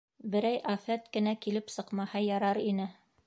Берәй афәт кенә килеп сыҡмаһа ярар ине.